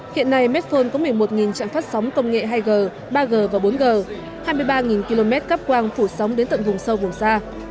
hiện nay medphone có một mươi một trạm phát sóng công nghệ hai g ba g và bốn g hai mươi ba km cắp quang phủ sóng đến tận vùng sâu vùng xa